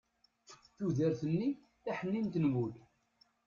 tudert-nni taḥnint n wul